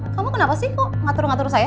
kamu kenapa sih kok ngatur ngatur saya